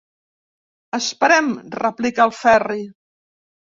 Esperem –replica el Ferri.